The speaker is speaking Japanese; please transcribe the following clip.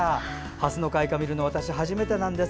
ハスの開花を見るのは私、初めてなんです。